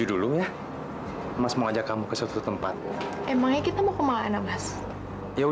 aduh mas jadi gak sabar mau nyobain